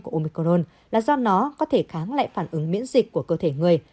của omicron là do nó có thể kháng lại phản ứng miễn dịch của cơ thể người